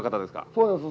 そうです。